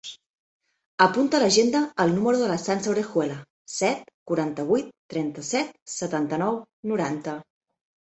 Apunta a l'agenda el número de la Sança Orejuela: set, quaranta-vuit, trenta-set, setanta-nou, noranta.